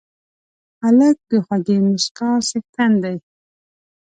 هلک د خوږې موسکا څښتن دی.